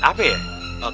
apa nah subni